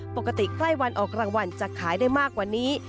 ใกล้วันออกรางวัลจะขายได้มากกว่านี้